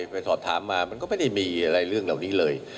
ไปสอบถามมามันก็ไม่ได้มีอะไรเรื่องเหล่านี้เลย